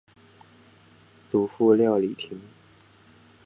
祖父廖礼庭。